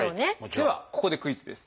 ではここでクイズです。